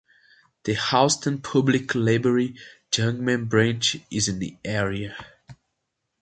The Houston Public Library Jungman Branch is in the area.